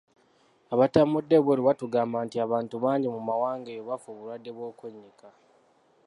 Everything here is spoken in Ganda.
Abatambudde ebweru batugamba nti abantu bangi mu mawanga eyo bafa obulwadde bw’okwennyika.